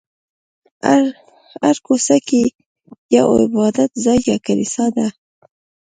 هره کوڅه کې یو عبادت ځای یا کلیسا ده.